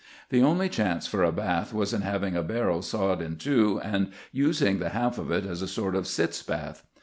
The only chance for a bath was in having a barrel sawed in two and using the half of it as a sort of sitz bath.